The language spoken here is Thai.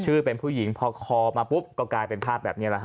เป็นผู้หญิงพอคอมาปุ๊บก็กลายเป็นภาพแบบนี้แหละฮ